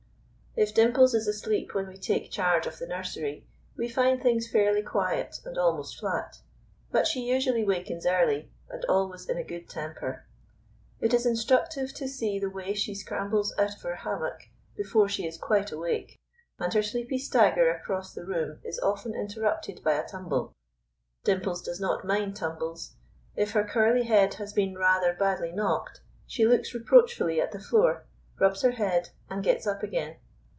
If Dimples is asleep when we take charge of the nursery, we find things fairly quiet and almost flat. But she usually wakens early, and always in a good temper. It is instructive to see the way she scrambles out of her hammock before she is quite awake, and her sleepy stagger across the room is often interrupted by a tumble. Dimples does not mind tumbles. If her curly head has been rather badly knocked, she looks reproachfully at the floor, rubs her head, and gets up again.